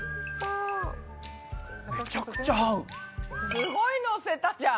すごいのせたじゃん。